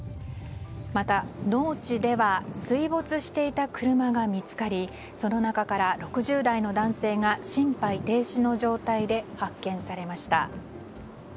また、農地では水没していた車が見つかりその中から、６０代の男性が心肺停止の状態で発見されました。